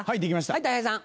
はいたい平さん。